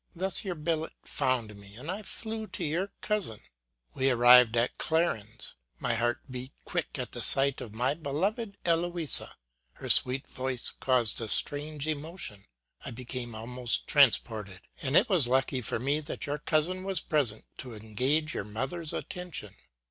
Thus your billet found me, and I flew to your cousin ; we arrived at Clarens, my heart beat quick at the sight of my beloved Eloisa ; her sweet voice caused a strange emotion ; I became almost tran sported, and it was lucky for me that your cousin was present to engage your mother's attention.